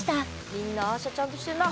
みんなアー写ちゃんとしてんな。